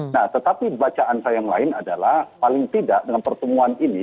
nah tetapi bacaan saya yang lain adalah paling tidak dengan pertemuan ini